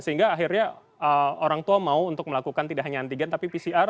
sehingga akhirnya orang tua mau untuk melakukan tidak hanya antigen tapi pcr